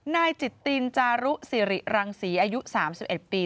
นายจิตตินจารุสิริรังศรีอายุ๓๑ปี